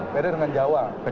beda dengan jawa